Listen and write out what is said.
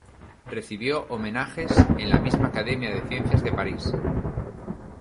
Recibió homenajes en la misma Academia de Ciencias de París.